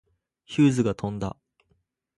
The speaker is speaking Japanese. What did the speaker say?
ヒューズが飛んだ。